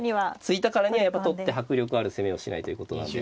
突いたからにはやっぱ取って迫力ある攻めをしないとということなんで。